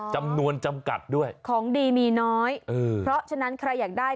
จำนวนจำกัดด้วยของดีมีน้อยเออเพราะฉะนั้นใครอยากได้